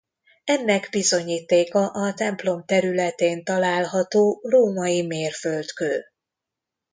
Ennek bizonyítéka a templom területén található római mérföldkő.